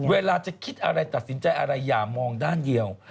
เวลาจะคิดอะไรตัดสินใจอะไรอย่ามองด้านเดียว